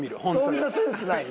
そんなセンスない？